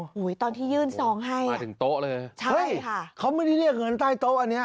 โอ้โหตอนที่ยื่นซองให้มาถึงโต๊ะเลยใช่ค่ะเขาไม่ได้เรียกเงินใต้โต๊ะอันเนี้ย